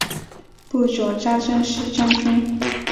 不久加征西将军。